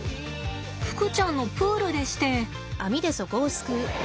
ふくちゃんのプールでして。